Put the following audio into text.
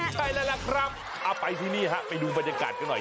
ใช่แล้วล่ะครับเอาไปที่นี่ฮะไปดูบรรยากาศกันหน่อย